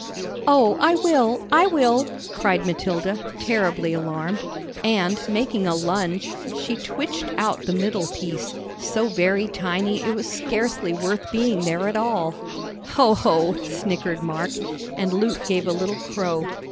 "Oh, I will, I will," cried Matilda, terribly alarmed, and, making a lunge, she twitched out the middle piece, so very tiny it was scarcely worth being there at all. "Hoh, hoh!" snickered Mark. And Luke gave a little crow.